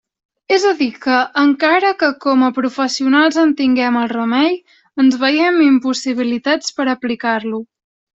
És a dir, que, encara que com a professionals en tinguem el remei, ens veiem impossibilitats per aplicar-lo.